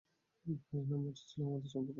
আরে না, মজাই ছিল আমাদের সম্পর্কটা।